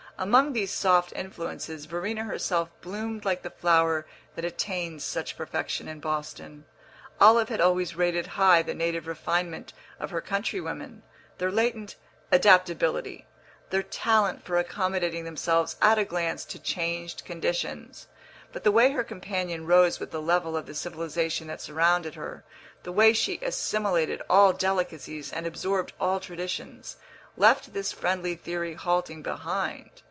Among these soft influences Verena herself bloomed like the flower that attains such perfection in Boston. Olive had always rated high the native refinement of her country women, their latent "adaptability," their talent for accommodating themselves at a glance to changed conditions; but the way her companion rose with the level of the civilisation that surrounded her, the way she assimilated all delicacies and absorbed all traditions, left this friendly theory halting behind.